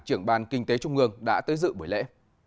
trưởng ban kinh tế trung ương đã tới dự buổi lễ